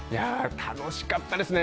楽しかったですね。